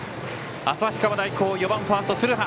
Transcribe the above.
旭川大高、４番ファーストの鶴羽。